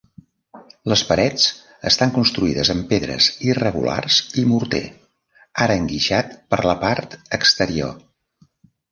Les parets estan construïdes amb pedres irregulars i morter, ara enguixat per la part exterior.